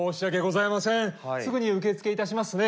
すぐに受け付けいたしますね。